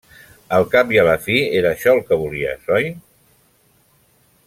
Al cap i a la fi era això el que volies, oi?